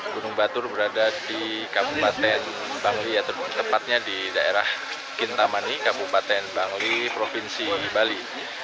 gunung batur berada di kabupaten bangli tepatnya di daerah kintamani kabupaten bangli provinsi bali